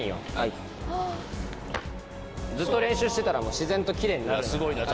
ずっと練習してたら自然とキレイになる。